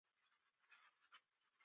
د وزارتونو ترمنځ اتلس تړونونه لاسلیک شول.